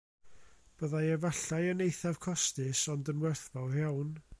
Byddai efallai yn eithaf costus, ond yn werthfawr iawn